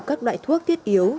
các loại thuốc thiết yếu